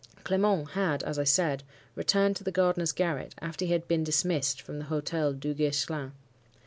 Clement had, as I said, returned to the gardener's garret after he had been dismissed from the Hotel Duguesclin.